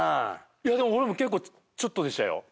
いやでも俺も結構ちょっとでしたよ